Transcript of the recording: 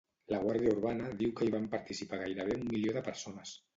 La Guàrdia Urbana diu que hi van participar gairebé un milió de persones.